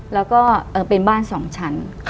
แล้วก็เป็นบ้าน๒ชั้น